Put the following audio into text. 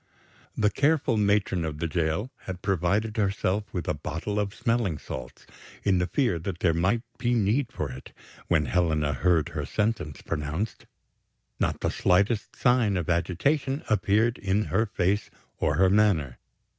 The careful matron of the jail had provided herself with a bottle of smelling salts, in the fear that there might be need for it when Helena heard her sentence pronounced. Not the slightest sign of agitation appeared in her face or her manner.